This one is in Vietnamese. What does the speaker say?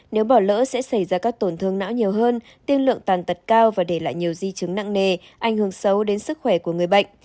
nếu bỏ lỡ sẽ xảy ra các thương tổn não nhiều hơn tiên lượng tàn tật cao để lại di chứng đáng buồn cho sức khỏe người bệnh